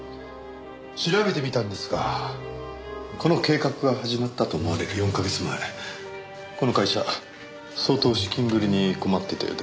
調べてみたんですがこの計画が始まったと思われる４カ月前この会社相当資金繰りに困っていたようですね。